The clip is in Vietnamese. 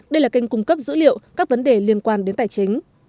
đây là kênh cung cấp dữ liệu các vấn đề liên quan đến tài chính